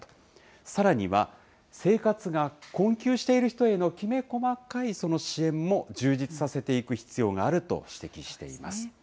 さらには生活が困窮している人へのきめ細かい支援も充実させていく必要があると指摘しています。